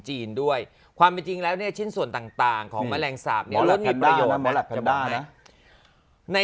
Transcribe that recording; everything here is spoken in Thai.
เรียบเหนียนแน่เลย